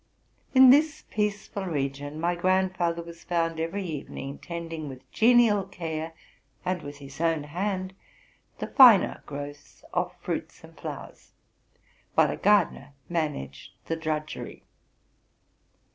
In this peaceful region my grandfather was found every evening, tending with genial care, and with his own hand, the finer growths of fruits and flowers; while a gardener managed the drudgery.